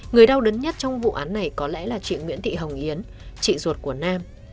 người đau đớn nhất trong vụ án này có lẽ là chị nguyễn thị hồng yến chị ruột của nam